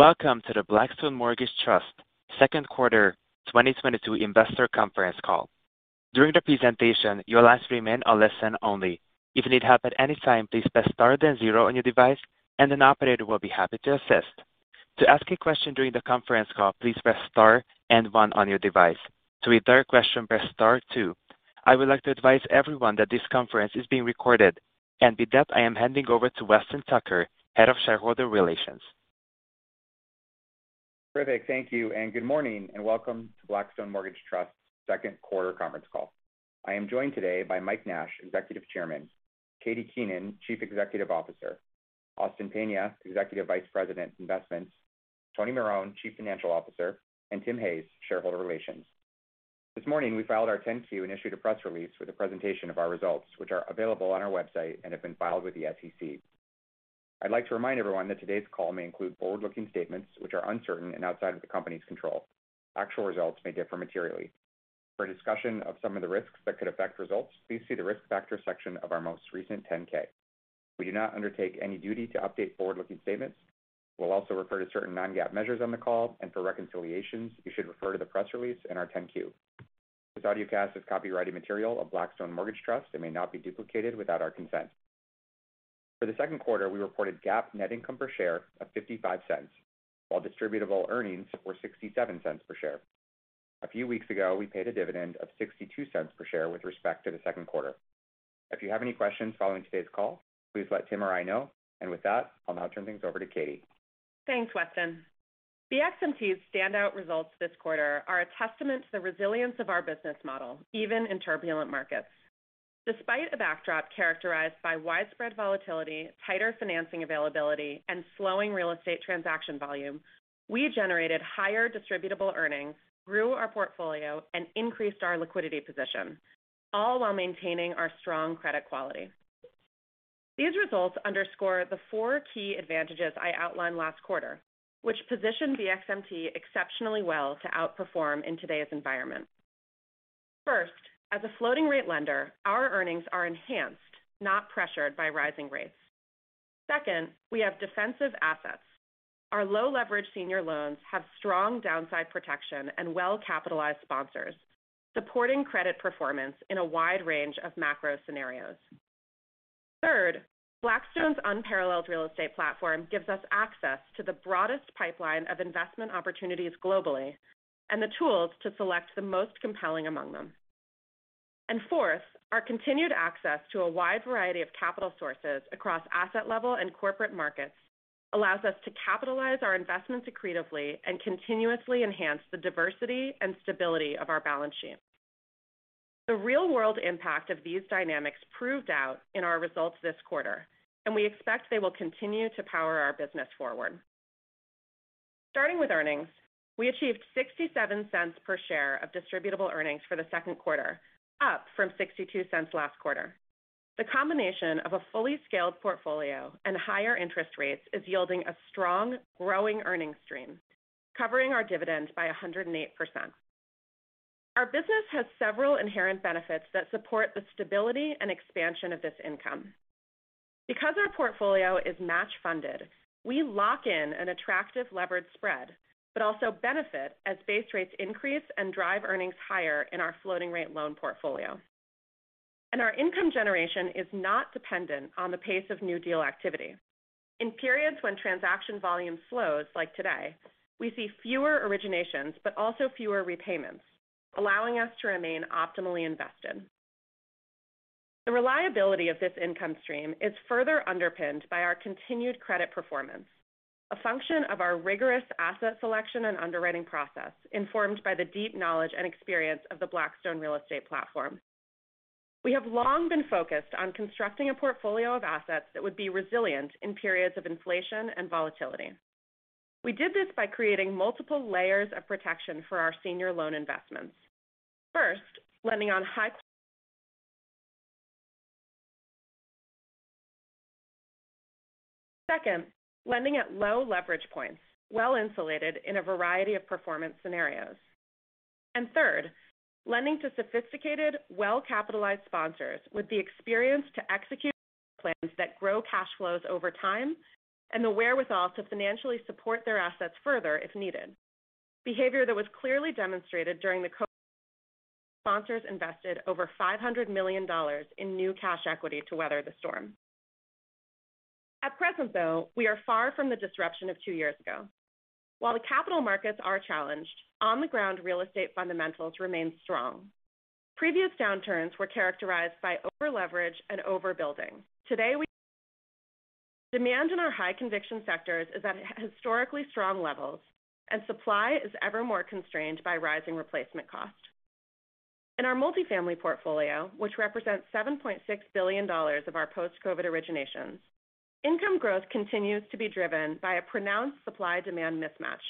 Welcome to the Blackstone Mortgage Trust second quarter 2022 investor conference call. During the presentation, your lines remain on listen only. If you need help at any time, please press star then zero on your device, and an operator will be happy to assist. To ask a question during the conference call, please press star and one on your device. To withdraw your question, press star two. I would like to advise everyone that this conference is being recorded. With that, I am handing over to Weston Tucker, Head of Shareholder Relations. Terrific. Thank you. Good morning, and welcome to Blackstone Mortgage Trust second quarter conference call. I am joined today by Mike Nash, Executive Chairman, Katie Keenan, Chief Executive Officer, Austin Peña, Executive Vice President, Investments, Tony Marone, Chief Financial Officer, and Tim Hayes, Shareholder Relations. This morning, we filed our 10-Q and issued a press release with a presentation of our results, which are available on our website and have been filed with the SEC. I'd like to remind everyone that today's call may include forward-looking statements which are uncertain and outside of the company's control. Actual results may differ materially. For a discussion of some of the risks that could affect results, please see the Risk Factor section of our most recent 10-K. We do not undertake any duty to update forward-looking statements. We'll also refer to certain non-GAAP measures on the call, and for reconciliations, you should refer to the press release and our 10-Q. This audiocast is copyrighted material of Blackstone Mortgage Trust. It may not be duplicated without our consent. For the second quarter, we reported GAAP net income per share of $0.55, while distributable earnings were $0.67 per share. A few weeks ago, we paid a dividend of $0.62 per share with respect to the second quarter. If you have any questions following today's call, please let Tim or I know. With that, I'll now turn things over to Katie. Thanks, Weston. BXMT's standout results this quarter are a testament to the resilience of our business model even in turbulent markets. Despite a backdrop characterized by widespread volatility, tighter financing availability, and slowing real estate transaction volume, we generated higher distributable earnings through our portfolio and increased our liquidity position, all while maintaining our strong credit quality. These results underscore the four key advantages I outlined last quarter, which position BXMT exceptionally well to outperform in today's environment. First, as a floating-rate lender, our earnings are enhanced, not pressured by rising rates. Second, we have defensive assets. Our low-leverage senior loans have strong downside protection and well-capitalized sponsors supporting credit performance in a wide range of macro scenarios. Third, Blackstone's unparalleled real estate platform gives us access to the broadest pipeline of investment opportunities globally and the tools to select the most compelling among them. Fourth, our continued access to a wide variety of capital sources across asset-level and corporate markets allows us to capitalize our investments accretively and continuously enhance the diversity and stability of our balance sheet. The real-world impact of these dynamics proved out in our results this quarter, and we expect they will continue to power our business forward. Starting with earnings, we achieved $0.67 per share of distributable earnings for the second quarter, up from $0.62 last quarter. The combination of a fully scaled portfolio and higher interest rates is yielding a strong growing earnings stream covering our dividends by 108%. Our business has several inherent benefits that support the stability and expansion of this income. Because our portfolio is match funded, we lock in an attractive levered spread but also benefit as base rates increase and drive earnings higher in our floating-rate loan portfolio. Our income generation is not dependent on the pace of new deal activity. In periods when transaction volume slows like today, we see fewer originations but also fewer repayments, allowing us to remain optimally invested. The reliability of this income stream is further underpinned by our continued credit performance, a function of our rigorous asset selection and underwriting process informed by the deep knowledge and experience of the Blackstone real estate platform. We have long been focused on constructing a portfolio of assets that would be resilient in periods of inflation and volatility. We did this by creating multiple layers of protection for our senior loan investments. First, lending on high... Second, lending at low-leverage points, well insulated in a variety of performance scenarios. Third, lending to sophisticated, well-capitalized sponsors with the experience to execute plans that grow cash flows over time and the wherewithal to financially support their assets further if needed. Behavior that was clearly demonstrated during the COVID, sponsors invested over $500 million in new cash equity to weather the storm. At present, though, we are far from the disruption of two years ago. While the capital markets are challenged, on the ground real estate fundamentals remain strong. Previous downturns were characterized by over-leverage and overbuilding. Today, demand in our high conviction sectors is at historically strong levels, and supply is ever more constrained by rising replacement costs. In our multifamily portfolio, which represents $7.6 billion of our post-COVID originations, income growth continues to be driven by a pronounced supply-demand mismatch,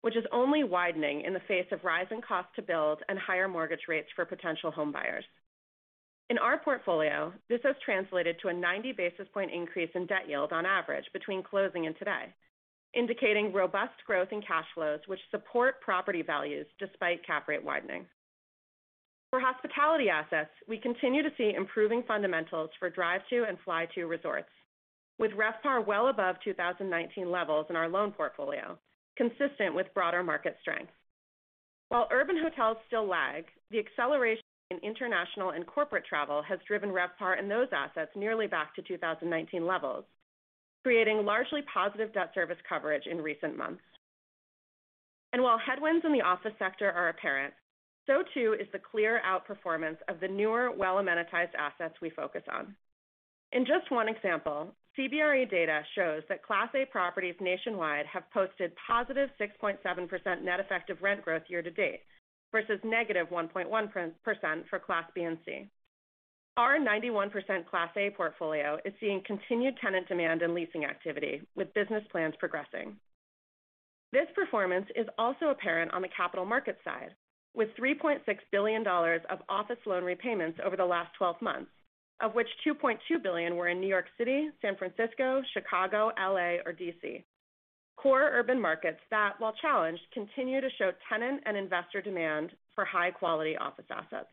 which is only widening in the face of rising costs to build and higher mortgage rates for potential home buyers. In our portfolio, this has translated to a 90 basis point increase in debt yield on average between closing and today, indicating robust growth in cash flows which support property values despite cap rate widening. For hospitality assets, we continue to see improving fundamentals for drive-to and fly-to resorts with RevPAR well above 2019 levels in our loan portfolio, consistent with broader market strength. While urban hotels still lag, the acceleration in international and corporate travel has driven RevPAR in those assets nearly back to 2019 levels, creating largely positive debt service coverage in recent months. While headwinds in the office sector are apparent, so too is the clear outperformance of the newer well-amenitized assets we focus on. In just one example, CBRE data shows that class A properties nationwide have posted +6.7% net effective rent growth year to date versus negative 1.1% for class B and C. Our 91% class A portfolio is seeing continued tenant demand and leasing activity with business plans progressing. This performance is also apparent on the capital market side with $3.6 billion of office loan repayments over the last 12 months, of which $2.2 billion were in New York City, San Francisco, Chicago, L.A. or D.C. Core urban markets that, while challenged, continue to show tenant and investor demand for high quality office assets.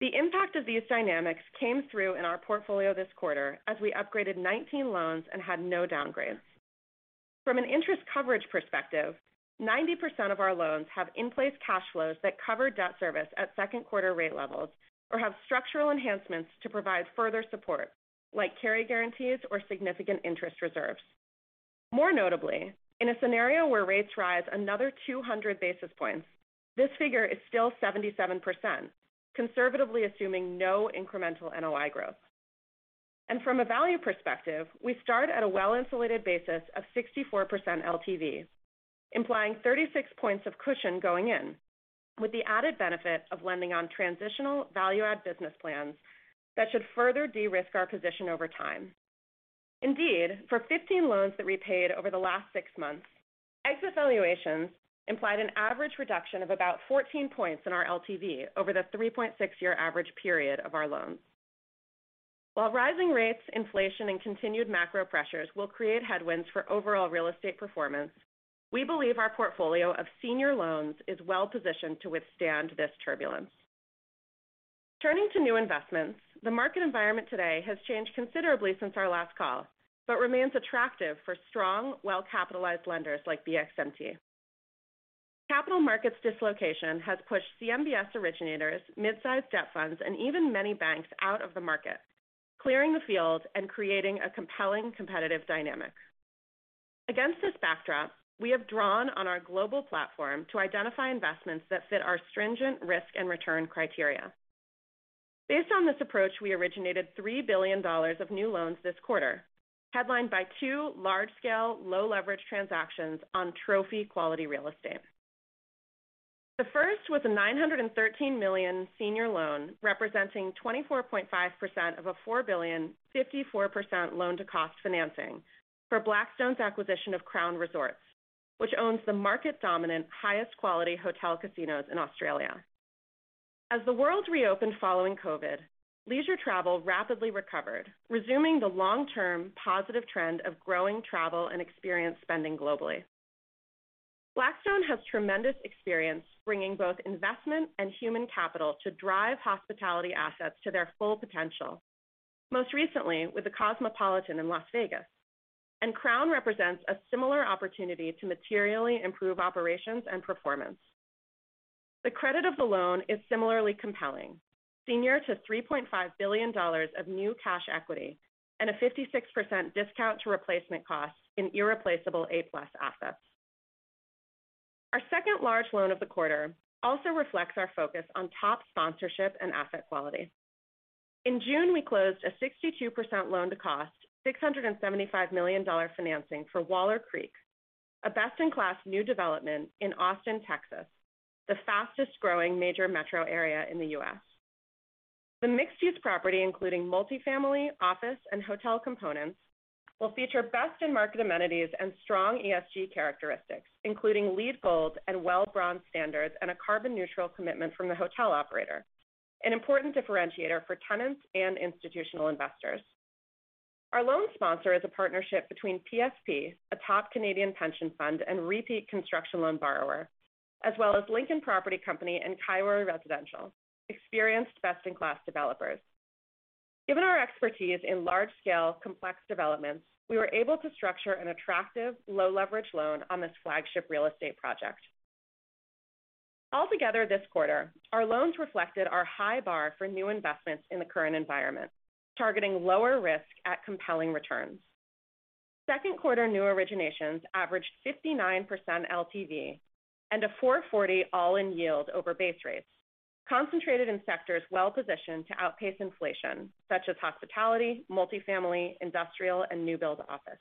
The impact of these dynamics came through in our portfolio this quarter as we upgraded 19 loans and had no downgrades. From an interest coverage perspective, 90% of our loans have in place cash flows that cover debt service at second quarter rate levels or have structural enhancements to provide further support like carry guarantees or significant interest reserves. More notably, in a scenario where rates rise another 200 basis points, this figure is still 77%, conservatively assuming no incremental NOI growth. From a value perspective, we start at a well-insulated basis of 64% LTV, implying 36 points of cushion going in with the added benefit of lending on transitional value-add business plans that should further de-risk our position over time. Indeed, for 15 loans that repaid over the last six months, exit valuations implied an average reduction of about 14 points in our LTV over the 3.6-year average period of our loans. While rising rates, inflation and continued macro pressures will create headwinds for overall real estate performance, we believe our portfolio of senior loans is well positioned to withstand this turbulence. Turning to new investments, the market environment today has changed considerably since our last call, but remains attractive for strong, well-capitalized lenders like BXMT. Capital markets dislocation has pushed CMBS originators, mid-size debt funds and even many banks out of the market, clearing the field and creating a compelling competitive dynamic. Against this backdrop, we have drawn on our global platform to identify investments that fit our stringent risk and return criteria. Based on this approach, we originated $3 billion of new loans this quarter, headlined by two large-scale, low-leverage transactions on trophy quality real estate. The first was a $913 million senior loan representing 24.5% of a $4 billion 54% loan-to-cost financing for Blackstone's acquisition of Crown Resorts, which owns the market-dominant highest-quality hotel casinos in Australia. As the world reopened following COVID, leisure travel rapidly recovered, resuming the long-term positive trend of growing travel and experience spending globally. Blackstone has tremendous experience bringing both investment and human capital to drive hospitality assets to their full potential, most recently with the Cosmopolitan in Las Vegas, and Crown represents a similar opportunity to materially improve operations and performance. The credit of the loan is similarly compelling, senior to $3.5 billion of new cash equity and a 56% discount to replacement costs in irreplaceable A+ assets. Our second large loan of the quarter also reflects our focus on top sponsorship and asset quality. In June, we closed a 62% loan-to-cost $675 million financing for Waller Creek, a best-in-class new development in Austin, Texas, the fastest-growing major metro area in the U.S. The mixed-use property, including multifamily, office and hotel components, will feature best-in-market amenities and strong ESG characteristics, including LEED Gold and WELL Bronze standards and a carbon neutral commitment from the hotel operator, an important differentiator for tenants and institutional investors. Our loan sponsor is a partnership between PSP, a top Canadian pension fund and repeat construction loan borrower, as well as Lincoln Property Company and Kairoi Residential, experienced best-in-class developers. Given our expertise in large-scale complex developments, we were able to structure an attractive low-leverage loan on this flagship real estate project. Altogether this quarter, our loans reflected our high bar for new investments in the current environment, targeting lower risk at compelling returns. Second quarter new originations averaged 59% LTV and a 4.40 all-in yield over base rates concentrated in sectors well positioned to outpace inflation such as hospitality, multifamily, industrial and new-build office.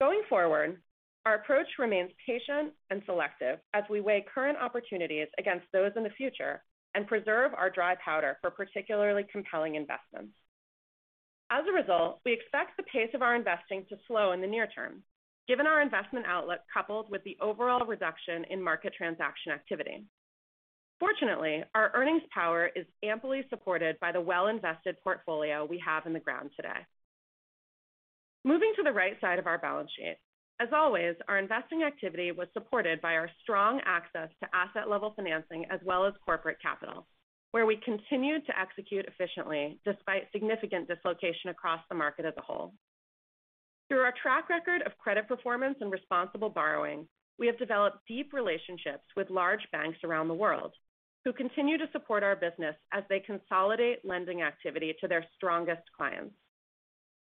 Going forward, our approach remains patient and selective as we weigh current opportunities against those in the future and preserve our dry powder for particularly compelling investments. As a result, we expect the pace of our investing to slow in the near term given our investment outlook coupled with the overall reduction in market transaction activity. Fortunately, our earnings power is amply supported by the well-invested portfolio we have in the ground today. Moving to the right side of our balance sheet. As always, our investing activity was supported by our strong access to asset-level financing as well as corporate capital, where we continued to execute efficiently despite significant dislocation across the market as a whole. Through our track record of credit performance and responsible borrowing, we have developed deep relationships with large banks around the world who continue to support our business as they consolidate lending activity to their strongest clients.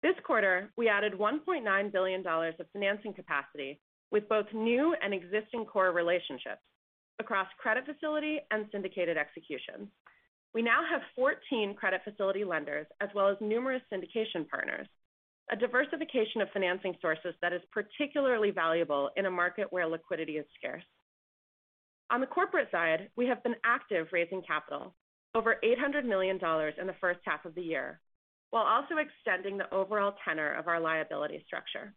This quarter, we added $1.9 billion of financing capacity with both new and existing core relationships across credit facility and syndicated executions. We now have 14 credit facility lenders as well as numerous syndication partners, a diversification of financing sources that is particularly valuable in a market where liquidity is scarce. On the corporate side, we have been active raising capital over $800 million in the first half of the year, while also extending the overall tenor of our liability structure.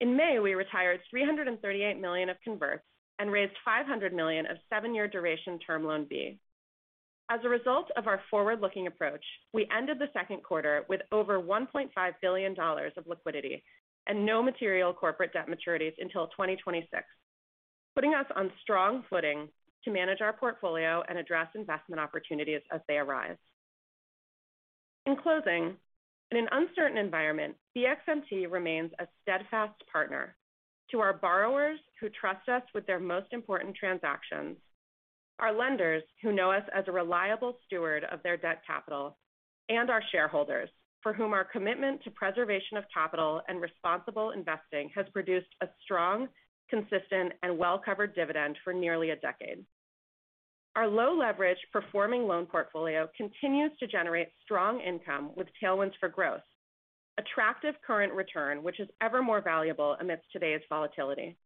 In May, we retired $338 million of converts and raised $500 million of seven-year duration Term Loan B. As a result of our forward-looking approach, we ended the second quarter with over $1.5 billion of liquidity and no material corporate debt maturities until 2026, putting us on strong footing to manage our portfolio and address investment opportunities as they arise. In closing, in an uncertain environment, BXMT remains a steadfast partner to our borrowers who trust us with their most important transactions, our lenders who know us as a reliable steward of their debt capital, and our shareholders, for whom our commitment to preservation of capital and responsible investing has produced a strong, consistent, and well-covered dividend for nearly a decade. Our low-leverage performing loan portfolio continues to generate strong income with tailwinds for growth, attractive current return, which is ever more valuable amidst today's volatility.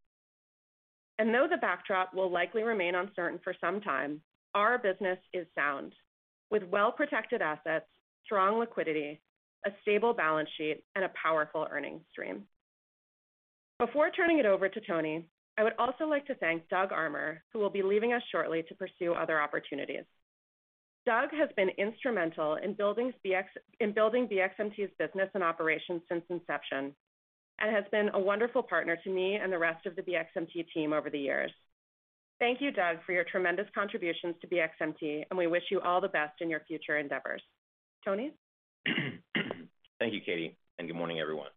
Though the backdrop will likely remain uncertain for some time, our business is sound with well-protected assets, strong liquidity, a stable balance sheet, and a powerful earnings stream. Before turning it over to Tony Marone, I would also like to thank Doug Armer, who will be leaving us shortly to pursue other opportunities. Doug Armer has been instrumental in building BXMT's business and operations since inception, and has been a wonderful partner to me and the rest of the BXMT team over the years. Thank you, Doug Armer, for your tremendous contributions to BXMT, and we wish you all the best in your future endeavors. Tony Marone? Thank you, Katie, and good morning, everyone.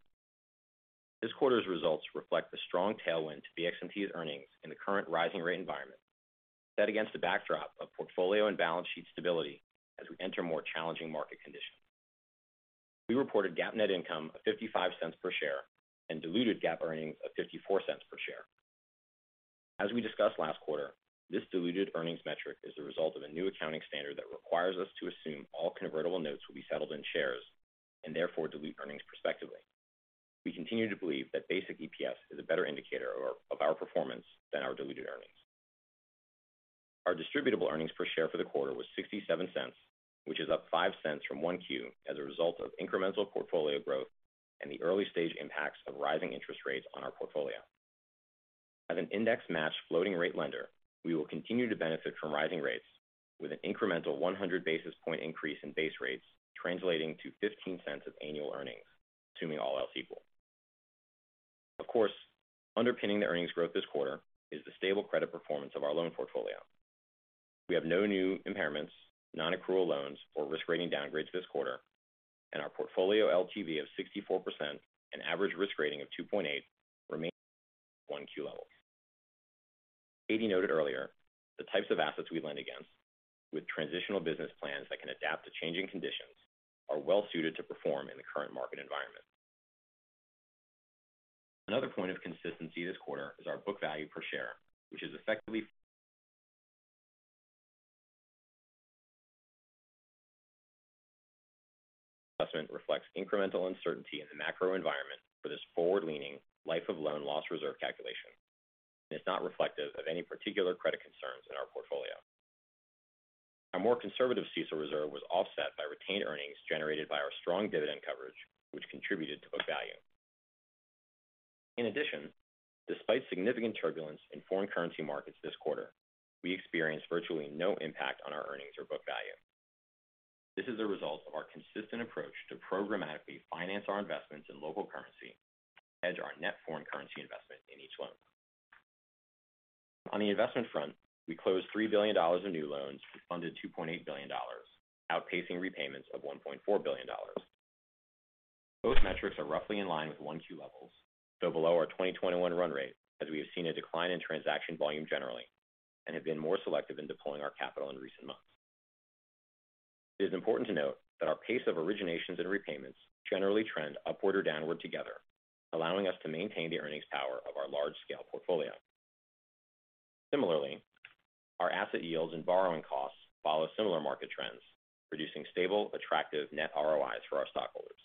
This quarter's results reflect the strong tailwind to BXMT's earnings in the current rising rate environment, set against the backdrop of portfolio and balance sheet stability as we enter more challenging market conditions. We reported GAAP net income of $0.55 per share and diluted GAAP earnings of $0.54 per share. As we discussed last quarter, this diluted earnings metric is the result of a new accounting standard that requires us to assume all convertible notes will be settled in shares and therefore dilute earnings prospectively. We continue to believe that basic EPS is a better indicator of our performance than our diluted earnings. Our distributable earnings per share for the quarter was $0.67, which is up $0.05 from 1Q as a result of incremental portfolio growth and the early-stage impacts of rising interest rates on our portfolio. As an index-matched floating-rate lender, we will continue to benefit from rising rates with an incremental 100 basis points increase in base rates translating to $0.15 of annual earnings, assuming all else equal. Of course, underpinning the earnings growth this quarter is the stable credit performance of our loan portfolio. We have no new impairments, non-accrual loans, or risk rating downgrades this quarter, and our portfolio LTV of 64% and average risk rating of 2.8 remain 1Q levels. Katie noted earlier the types of assets we lend against with transitional business plans that can adapt to changing conditions are well suited to perform in the current market environment. Another point of consistency this quarter is our book value per share, which is effectively flat. Our assessment reflects incremental uncertainty in the macro environment for this forward-looking life-of-loan loss reserve calculation and is not reflective of any particular credit concerns in our portfolio. Our more conservative CECL reserve was offset by retained earnings generated by our strong dividend coverage, which contributed to book value. In addition, despite significant turbulence in foreign currency markets this quarter, we experienced virtually no impact on our earnings or book value. This is a result of our consistent approach to programmatically finance our investments in local currency to hedge our net foreign currency investment in each loan. On the investment front, we closed $3 billion of new loans, we funded $2.8 billion, outpacing repayments of $1.4 billion. Both metrics are roughly in line with 1Q levels, though below our 2021 run rate as we have seen a decline in transaction volume generally and have been more selective in deploying our capital in recent months. It is important to note that our pace of originations and repayments generally trend upward or downward together, allowing us to maintain the earnings power of our large-scale portfolio. Similarly, our asset yields and borrowing costs follow similar market trends, producing stable, attractive net ROIs for our stockholders.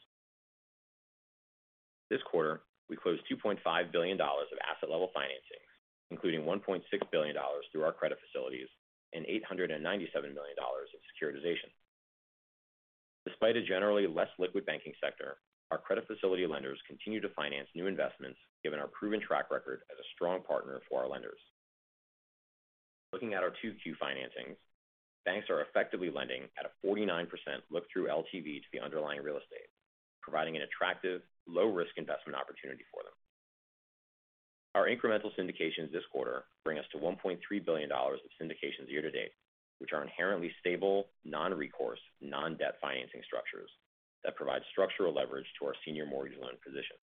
This quarter, we closed $2.5 billion of asset-level financings, including $1.6 billion through our credit facilities and $897 million of securitization. Despite a generally less liquid banking sector, our credit facility lenders continue to finance new investments given our proven track record as a strong partner for our lenders. Looking at our 2Q financings, banks are effectively lending at a 49% look-through LTV to the underlying real estate, providing an attractive low-risk investment opportunity for them. Our incremental syndications this quarter bring us to $1.3 billion of syndications year to date, which are inherently stable, non-recourse, non-debt financing structures that provide structural leverage to our senior mortgage loan position.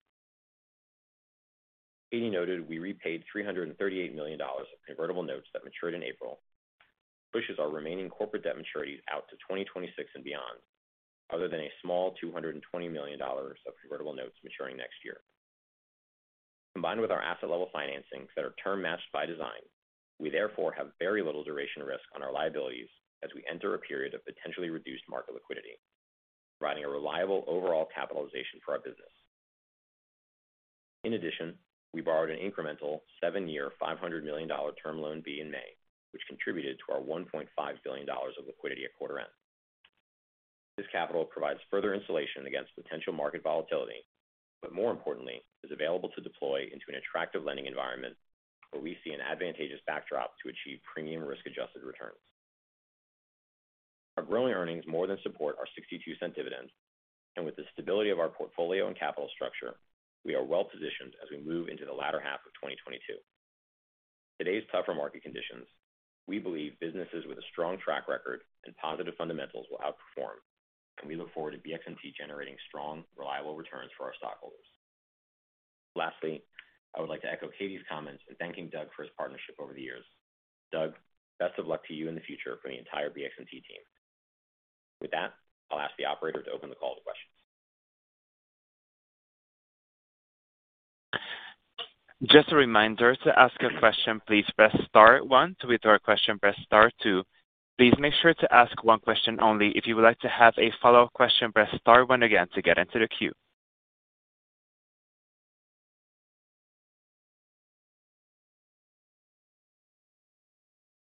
Katie noted we repaid $338 million of convertible notes that matured in April, which pushes our remaining corporate debt maturities out to 2026 and beyond, other than a small $220 million of convertible notes maturing next year. Combined with our asset-level financings that are term-matched by design, we therefore have very little duration risk on our liabilities as we enter a period of potentially reduced market liquidity, providing a reliable overall capitalization for our business. In addition, we borrowed an incremental seven-year $500 million Term Loan B in May, which contributed to our $1.5 billion of liquidity at quarter end. This capital provides further insulation against potential market volatility, but more importantly, is available to deploy into an attractive lending environment where we see an advantageous backdrop to achieve premium risk-adjusted returns. Our growing earnings more than support our $0.62 dividend, and with the stability of our portfolio and capital structure, we are well positioned as we move into the latter half of 2022. In today's tougher market conditions, we believe businesses with a strong track record and positive fundamentals will outperform, and we look forward to BXMT generating strong, reliable returns for our stockholders. Lastly, I would like to echo Katie's comments in thanking Doug for his partnership over the years. Doug, best of luck to you in the future from the entire BXMT team. With that, I'll ask the operator to open the call to questions. Just a reminder. To ask a question, please press star one. To withdraw a question press star two. Please make sure to ask one question only. If you would like to have a follow-up question, press star one again to get into the queue.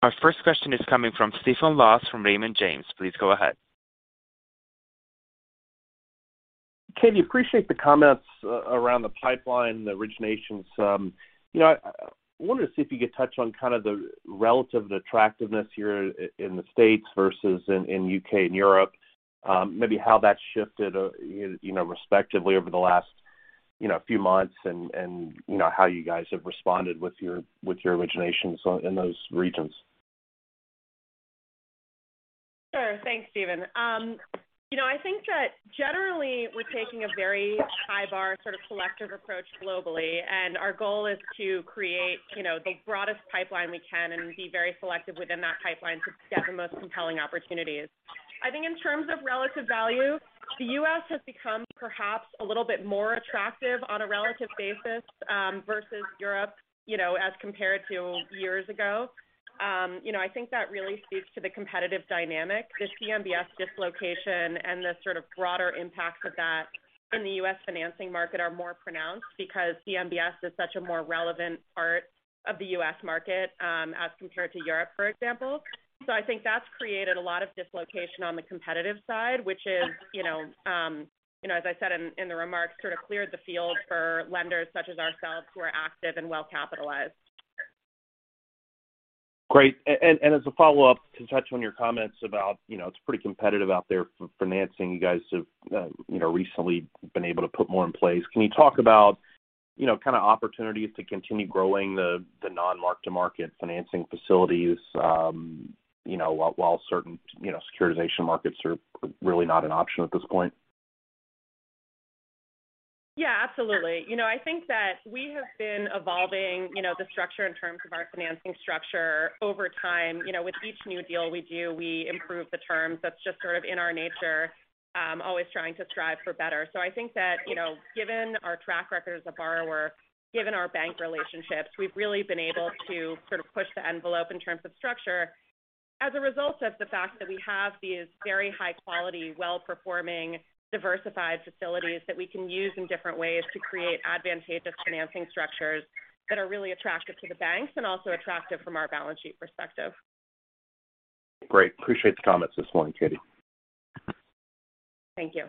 Our first question is coming from Stephen Laws from Raymond James. Please go ahead. Katie, appreciate the comments around the pipeline, the originations. You know, I wanted to see if you could touch on kind of the relative attractiveness here in the States versus in the U.K. and Europe, maybe how that's shifted, you know, respectively over the last, you know, few months and, you know, how you guys have responded with your originations in those regions. Sure. Thanks, Stephen. You know, I think that generally we're taking a very high bar sort of selective approach globally, and our goal is to create, you know, the broadest pipeline we can and be very selective within that pipeline to get the most compelling opportunities. I think in terms of relative value, the U.S. has become perhaps a little bit more attractive on a relative basis, versus Europe, you know, as compared to years ago. You know, I think that really speaks to the competitive dynamic. The CMBS dislocation and the sort of broader impact of that in the U.S. financing market are more pronounced because CMBS is such a more relevant part of the U.S. market, as compared to Europe, for example. I think that's created a lot of dislocation on the competitive side, which is, you know, as I said in the remarks, sort of cleared the field for lenders such as ourselves who are active and well-capitalized. Great. As a follow-up, to touch on your comments about, you know, it's pretty competitive out there for financing. You guys have, you know, recently been able to put more in place. Can you talk about, you know, kind of opportunities to continue growing the non-mark-to-market financing facilities, you know, while certain, you know, securitization markets are really not an option at this point? Yeah, absolutely. You know, I think that we have been evolving, you know, the structure in terms of our financing structure over time. You know, with each new deal we do, we improve the terms. That's just sort of in our nature, always trying to strive for better. I think that, you know, given our track record as a borrower, given our bank relationships, we've really been able to sort of push the envelope in terms of structure as a result of the fact that we have these very high-quality, well-performing, diversified facilities that we can use in different ways to create advantageous financing structures that are really attractive to the banks and also attractive from our balance sheet perspective. Great. Appreciate the comments this morning, Katie. Thank you.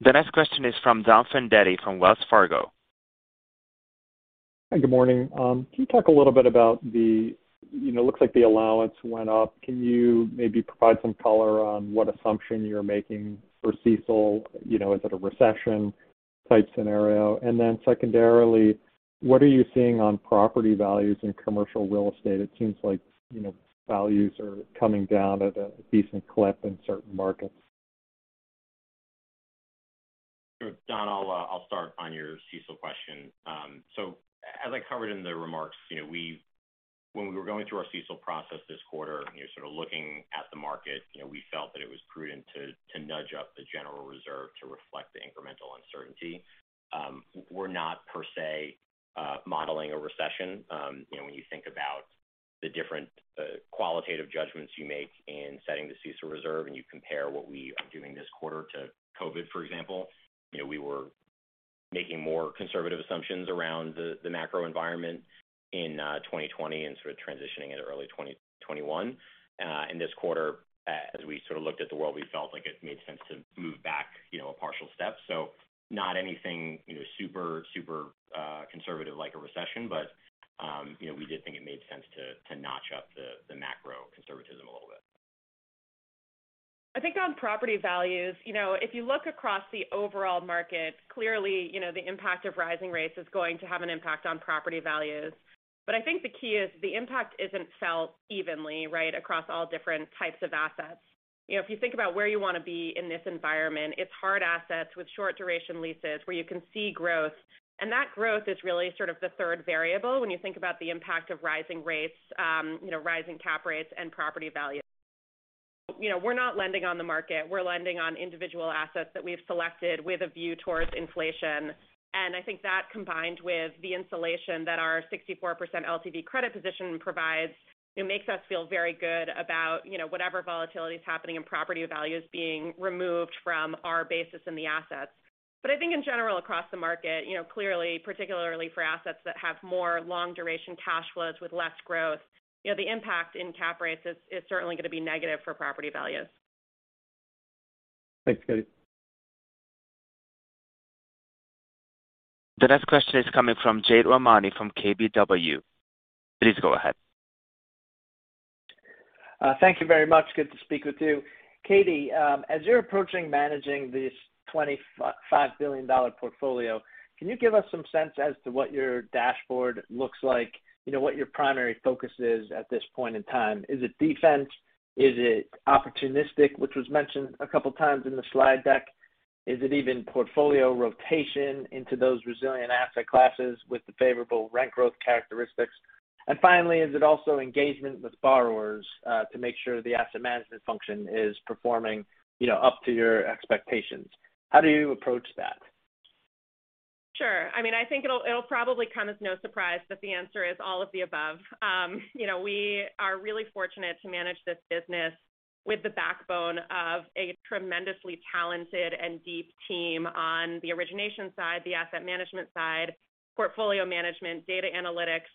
The next question is from Donald Fandetti from Wells Fargo. Hi, good morning. You know, it looks like the allowance went up. Can you maybe provide some color on what assumption you're making for CECL? You know, is it a recession-type scenario? Then secondarily, what are you seeing on property values in commercial real estate? It seems like, you know, values are coming down at a decent clip in certain markets. Sure. Don, I'll start on your CECL question. As I covered in the remarks, you know, when we were going through our CECL process this quarter and, you know, sort of looking at the market, you know, we felt that it was prudent to nudge up the general reserve to reflect the incremental uncertainty. We're not per se modeling a recession. You know, when you think about the different qualitative judgments you make in setting the CECL reserve and you compare what we are doing this quarter to COVID, for example, you know, we were making more conservative assumptions around the macro environment in 2020 and sort of transitioning into early 2021. In this quarter, as we sort of looked at the world, we felt like it made sense to move back, you know, a partial step. Not anything, you know, super conservative like a recession, but, you know, we did think it made sense to notch up the macro conservatism a little bit. I think on property values, you know, if you look across the overall market, clearly, you know, the impact of rising rates is going to have an impact on property values. I think the key is the impact isn't felt evenly, right, across all different types of assets. You know, if you think about where you wanna be in this environment, it's hard assets with short-duration leases where you can see growth. That growth is really sort of the third variable when you think about the impact of rising rates, you know, rising cap rates and property value. You know, we're not lending on the market. We're lending on individual assets that we've selected with a view towards inflation. I think that combined with the insulation that our 64% LTV credit position provides, it makes us feel very good about, you know, whatever volatility is happening in property values being removed from our basis in the assets. I think in general, across the market, you know, clearly, particularly for assets that have more long-duration cash flows with less growth, you know, the impact in cap rates is certainly gonna be negative for property values. Thanks, Katie. The next question is coming from Jade Rahmani from KBW. Please go ahead. Thank you very much. Good to speak with you. Katie, as you're approaching managing this $25 billion portfolio, can you give us some sense as to what your dashboard looks like? You know, what your primary focus is at this point in time. Is it defense? Is it opportunistic, which was mentioned a couple times in the slide deck? Is it even portfolio rotation into those resilient asset classes with the favorable rent growth characteristics? And finally, is it also engagement with borrowers, to make sure the asset management function is performing, you know, up to your expectations? How do you approach that? Sure. I mean, I think it'll probably come as no surprise, but the answer is all of the above. You know, we are really fortunate to manage this business with the backbone of a tremendously talented and deep team on the origination side, the asset management side, portfolio management, data analytics.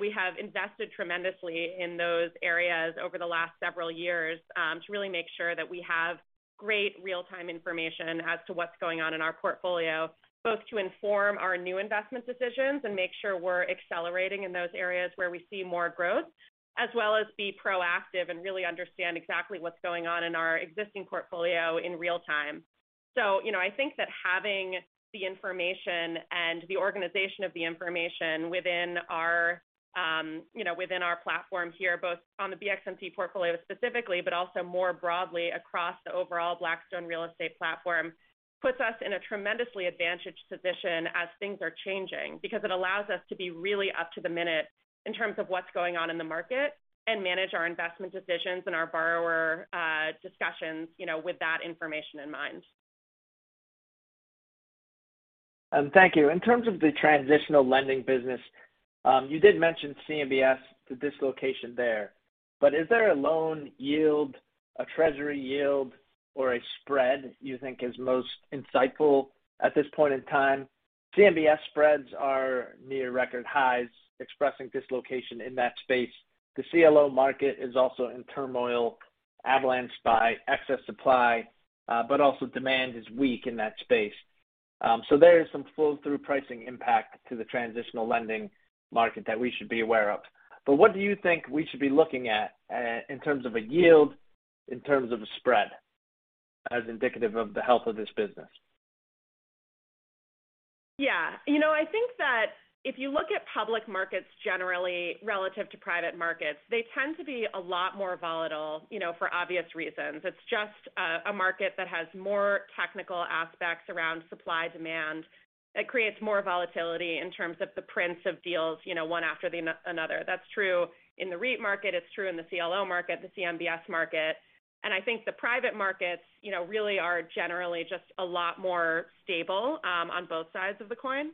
We have invested tremendously in those areas over the last several years, to really make sure that we have great real-time information as to what's going on in our portfolio, both to inform our new investment decisions and make sure we're accelerating in those areas where we see more growth, as well as be proactive and really understand exactly what's going on in our existing portfolio in real time. You know, I think that having the information and the organization of the information within our platform here, both on the BXMT portfolio specifically, but also more broadly across the overall Blackstone real estate platform, puts us in a tremendously advantaged position as things are changing because it allows us to be really up to the minute in terms of what's going on in the market and manage our investment decisions and our borrower discussions, you know, with that information in mind. Thank you. In terms of the transitional lending business, you did mention CMBS, the dislocation there. Is there a loan yield, a treasury yield, or a spread you think is most insightful at this point in time? CMBS spreads are near record highs expressing dislocation in that space. The CLO market is also in turmoil, avalanched by excess supply, but also demand is weak in that space. There is some flow-through pricing impact to the transitional lending market that we should be aware of. What do you think we should be looking at, in terms of a yield, in terms of a spread as indicative of the health of this business? Yeah. You know, I think that if you look at public markets generally relative to private markets, they tend to be a lot more volatile, you know, for obvious reasons. It's just a market that has more technical aspects around supply demand that creates more volatility in terms of the prints of deals, you know, one after the other. That's true in the REIT market. It's true in the CLO market, the CMBS market. I think the private markets, you know, really are generally just a lot more stable on both sides of the coin.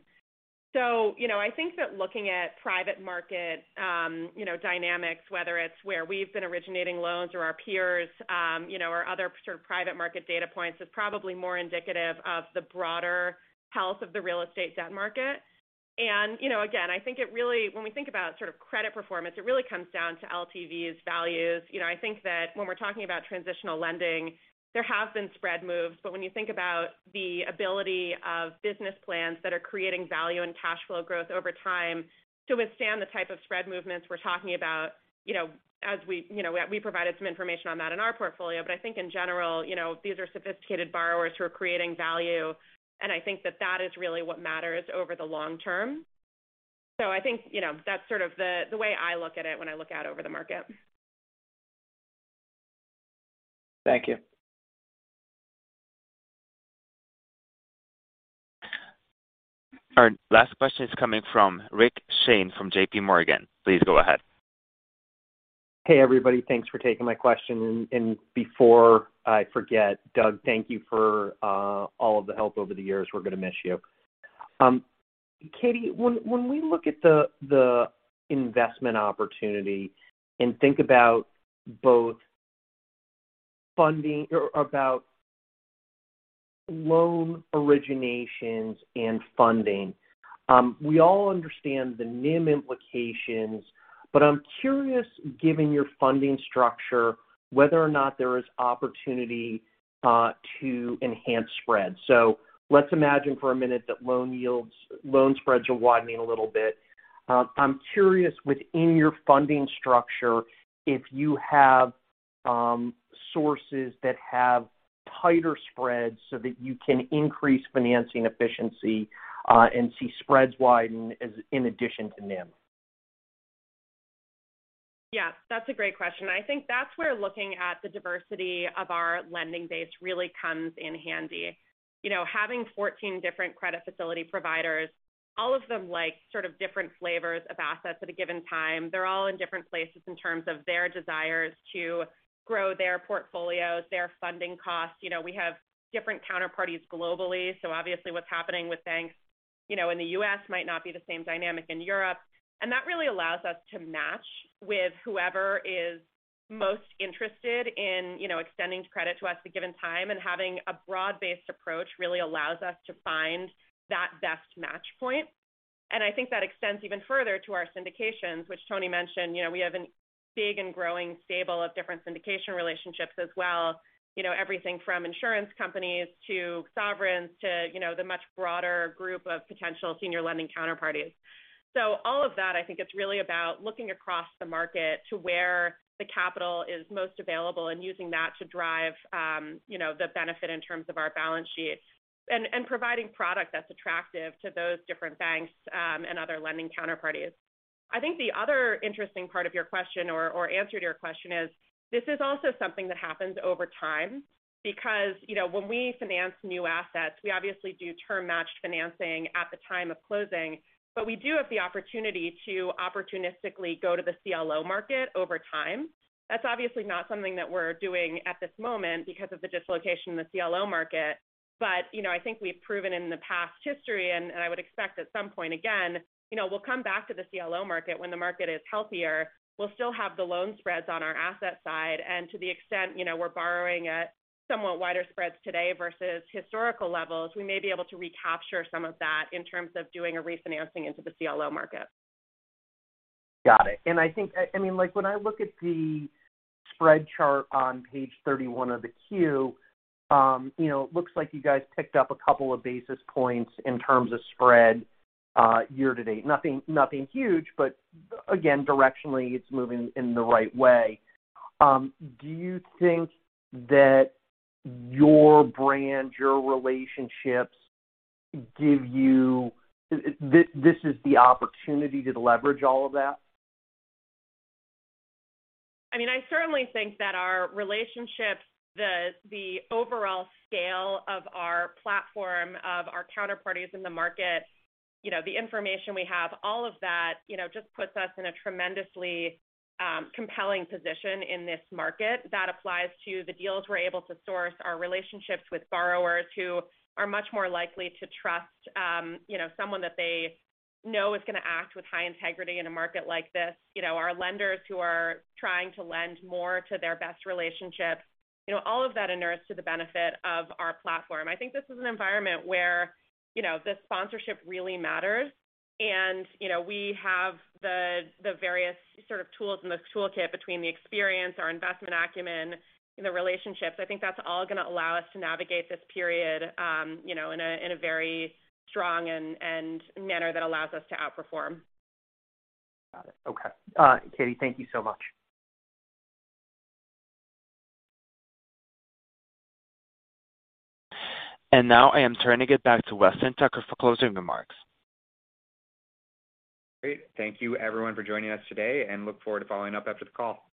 You know, I think that looking at private market dynamics, whether it's where we've been originating loans or our peers or other sort of private market data points, is probably more indicative of the broader health of the real estate debt market. You know, again, I think it really, when we think about sort of credit performance, it really comes down to LTVs, values. You know, I think that when we're talking about transitional lending, there have been spread moves. But when you think about the ability of business plans that are creating value and cash flow growth over time to withstand the type of spread movements we're talking about, you know, as we, you know, we provided some information on that in our portfolio. But I think in general, you know, these are sophisticated borrowers who are creating value, and I think that that is really what matters over the long term. I think, you know, that's sort of the way I look at it when I look out over the market. Thank you. Our last question is coming from Rick Shane from JPMorgan. Please go ahead. Hey, everybody. Thanks for taking my question. Before I forget, Doug, thank you for all of the help over the years. We're gonna miss you. Katie, when we look at the investment opportunity and think about both funding or about loan originations and funding, we all understand the NIM implications. I'm curious, given your funding structure, whether or not there is opportunity to enhance spread. Let's imagine for a minute that loan spreads are widening a little bit. I'm curious within your funding structure, if you have sources that have tighter spreads so that you can increase financing efficiency, and see spreads widen as in addition to NIM. Yeah, that's a great question. I think that's where looking at the diversity of our lending base really comes in handy. You know, having 14 different credit facility providers, all of them like sort of different flavors of assets at a given time. They're all-in different places in terms of their desires to grow their portfolios, their funding costs. You know, we have different counterparties globally. So obviously what's happening with banks, you know, in the U.S. might not be the same dynamic in Europe. That really allows us to match with whoever is most interested in, you know, extending credit to us at a given time. Having a broad-based approach really allows us to find that best match point. I think that extends even further to our syndications, which Tony mentioned. You know, we have a big and growing stable of different syndication relationships as well, you know, everything from insurance companies to sovereigns to, you know, the much broader group of potential senior lending counterparties. All of that, I think it's really about looking across the market to where the capital is most available and using that to drive, you know, the benefit in terms of our balance sheet and providing product that's attractive to those different banks, and other lending counterparties. I think the other interesting part of your question or answer to your question is, this is also something that happens over time because, you know, when we finance new assets, we obviously do term-matched financing at the time of closing, but we do have the opportunity to opportunistically go to the CLO market over time. That's obviously not something that we're doing at this moment because of the dislocation in the CLO market. You know, I think we've proven in the past history, and I would expect at some point again, you know, we'll come back to the CLO market when the market is healthier. We'll still have the loan spreads on our asset side, and to the extent, you know, we're borrowing at somewhat wider spreads today versus historical levels, we may be able to recapture some of that in terms of doing a refinancing into the CLO market. Got it. I mean, like when I look at the spread chart on page 31 of the Q, you know, it looks like you guys picked up a couple of basis points in terms of spread, year to date. Nothing huge, but again, directionally it's moving in the right way. Do you think that your brand, your relationships give you this is the opportunity to leverage all of that? I mean, I certainly think that our relationships, the overall scale of our platform, of our counterparties in the market, you know, the information we have, all of that, you know, just puts us in a tremendously compelling position in this market that applies to the deals we're able to source, our relationships with borrowers who are much more likely to trust, you know, someone that they know is gonna act with high integrity in a market like this. You know, our lenders who are trying to lend more to their best relationships. You know, all of that inures to the benefit of our platform. I think this is an environment where, you know, the sponsorship really matters. You know, we have the various sort of tools in the toolkit between the experience, our investment acumen, the relationships. I think that's all gonna allow us to navigate this period, you know, in a very strong and manner that allows us to outperform. Got it. Okay. Katie, thank you so much. Now I am turning it back to Weston Tucker for closing remarks. Great. Thank you everyone for joining us today, and look forward to following up after the call.